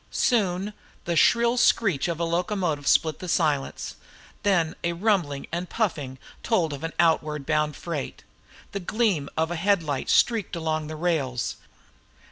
Soon the shrill screech of a locomotive split the silence, then a rumbling and puffing told of an outward bound freight. The gleam of a headlight streaked along the rails.